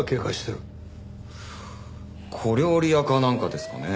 小料理屋かなんかですかね？